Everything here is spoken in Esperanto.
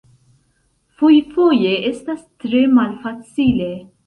Fojfoje estas tre malfacile.